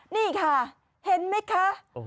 นี่ค่ะเห็นไหมคะ